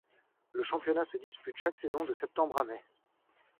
Le championnat se dispute chaque saison de septembre à mai.